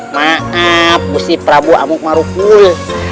maaf gusti prabu amuk marukul